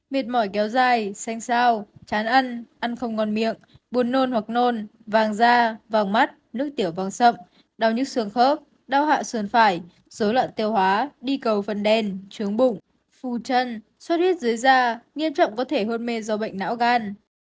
mệt mỏi kéo dài xanh sao chán ăn ăn không ngon miệng buồn nôn hoặc nôn vàng da vàng mắt nước tiểu vầng sậm đau nhức xương khớp đau hạ sườn phải dối loạn tiêu hóa đi cầu phần đen chướng bụng phù chân sốt huyết dưới da nghiêm trọng có thể hôn mê do bệnh não gan